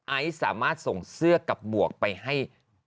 ไอซ์สามารถส่งเสื้อกับหมวกไปให้